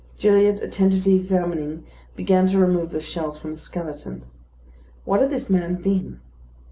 Gilliatt, attentively examining, began to remove the shells from the skeleton. What had this man been?